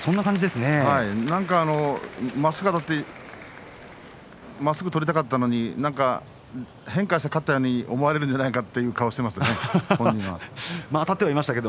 何かまっすぐあたってまっすぐ取りたかったのに変化して勝ったように思われたんじゃないかという顔していましたね、本人が。